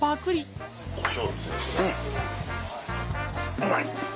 うまい。